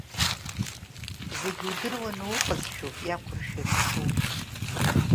Зегьы удыруаны уҟазшәоуп иақәыршәаны ишуҳәо.